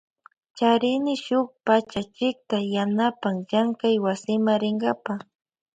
Charini shuk pachachikta yanapan llankay wasima rinkapa.